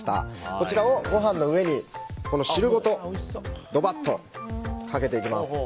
こちらをご飯の上に汁ごと、どばっとかけていきます。